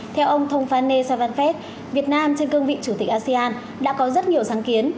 theo ông thông phane savanfet việt nam trên cương vị chủ tịch asean đã có rất nhiều sáng kiến